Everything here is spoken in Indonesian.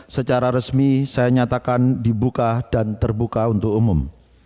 secara resmi saya nyatakan dibuka dan terbuka untuk umum